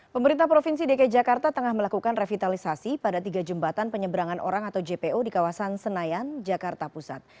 pemerintah provinsi dki jakarta tengah melakukan revitalisasi pada tiga jembatan penyeberangan orang atau jpo di kawasan senayan jakarta pusat